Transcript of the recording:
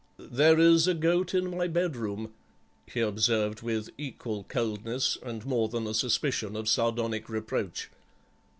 "'There is a goat in my bedroom,' he observed with equal coldness, and more than a suspicion of sardonic reproach.